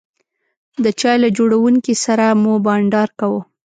د چای له جوړونکي سره مو بانډار کاوه.